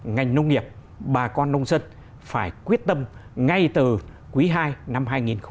ngành nông nghiệp bà con nông dân phải quyết tâm ngay từ quý ii năm hai nghìn hai mươi